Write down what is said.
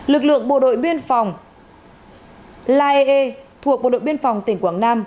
lực lượng bộ đội biên phòng laee thuộc bộ đội biên phòng tỉnh quảng nam